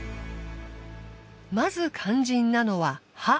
まず肝心なのは刃。